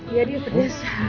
iya dia pedes